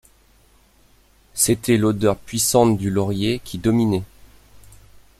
C’était l’odeur puissante du laurier qui dominait.